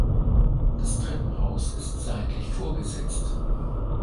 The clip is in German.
Das Treppenhaus ist seitlich vorgesetzt.